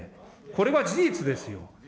これは事実ですよ。